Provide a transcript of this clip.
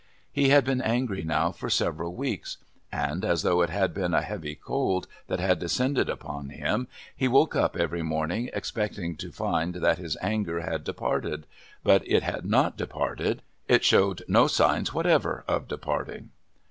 He had been angry now for several weeks, and, as though it had been a heavy cold that had descended upon him, he woke up every morning expecting to find that his anger had departed but it had not departed; it showed no signs whatever of departing.